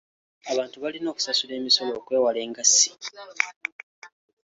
Abantu balina okusasula emisolo okwewala engassi.